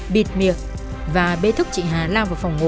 bịt miệng và bế thức chị hà lao vào phòng ngủ